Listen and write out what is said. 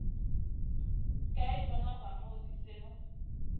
Kay ɗona vanu zi sèhnu.